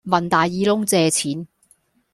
問大耳窿借錢